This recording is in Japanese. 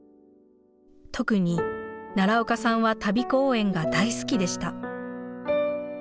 特に奈良岡さんは旅公演が大好きでした。